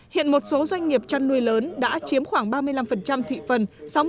hiện một số doanh nghiệp chăn nuôi lớn đã chiếm khoảng ba mươi năm thị phần